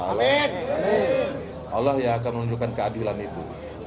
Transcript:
allah yang akan menunjukkan keadilan itu